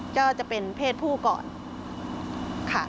ก็จะเป็นเพศผู้ก่อนค่ะ